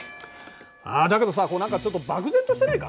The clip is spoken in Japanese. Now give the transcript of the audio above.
あだけどさ何かちょっと漠然としてないか？